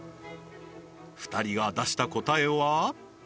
２人が出した答えは？